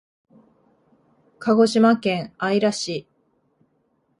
鹿児島県姶良市